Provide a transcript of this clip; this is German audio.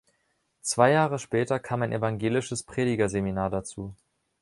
Zwei Jahre später kam ein Evangelisches Predigerseminar dazu.